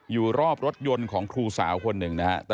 อยู่รอบรถยนต์ของครูสาวคนหนึ่งนะฮะ